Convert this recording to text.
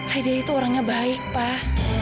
hadiah itu orangnya baik pak